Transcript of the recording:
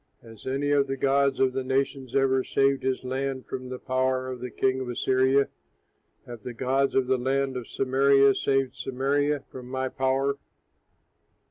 Has any of the gods of the nations ever saved his land from the power of the king of Assyria? Have the gods of the land of Samaria saved Samaria from my power?